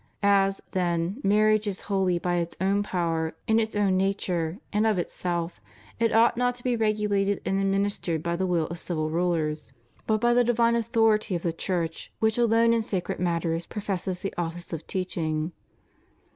As, then, mar riage is holy by its own power, in its own nature, and of itself, it ought not to be regulated and administered by the will of civil rulers, but by the divine authority of the Church, which alone in sacred matters professes the office of teaching.